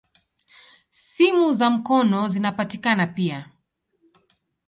Simu za mkono zinapatikana pia.